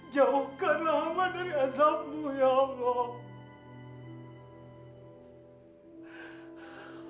jauhkanlah hamba dari aslammu ya allah